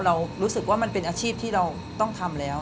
เรารู้สึกว่ามันเป็นอาชีพที่เราต้องทำแล้ว